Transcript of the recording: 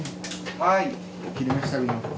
はい。